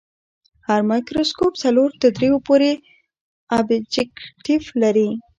هر مایکروسکوپ څلور تر دریو پورې ابجکتیف لري.